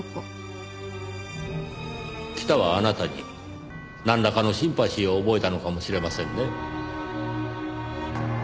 北はあなたになんらかのシンパシーを覚えたのかもしれませんね。